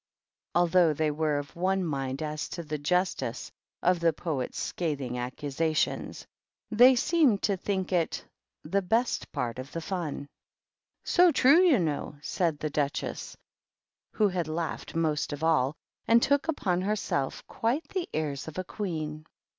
Although th were of one mind as to the justice of the Poe scathing accusations, they seemed to think it 1 best part of the fun. "So true, you know," said the Duchess, w THE GREAT OCCASION. 267 had laughed most of all, and took upon herself quite the airs of a queen.